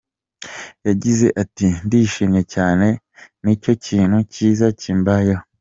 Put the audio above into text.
Yagize ati” Ndishimye cyane, ni cyo kintu cyiza kimbayeho.